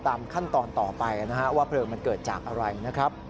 ตามขั้นตอนต่อไปนะฮะว่าเพลิงมันเกิดจากอะไรนะครับ